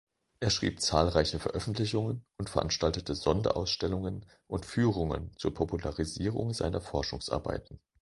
Er schrieb zahlreiche Veröffentlichungen und veranstaltete Sonderausstellungen und Führungen zur Popularisierung seiner Forschungsarbeiten.